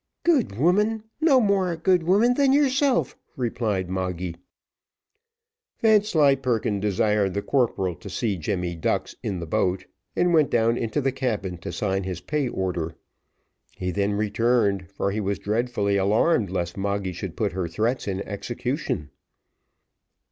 "Good woman! no more a good woman than yourself," replied Moggy. Vanslyperken desired the corporal to see Jemmy Ducks in the boat, and went down into the cabin to sign his pay order. He then returned, for he was dreadfully alarmed lest Moggy should put her threats in execution.